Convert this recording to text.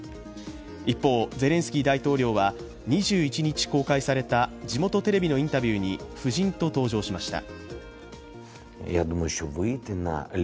一方、ゼレンスキー大統領は２１日公開された地元テレビのインタビューに夫人と登場しました。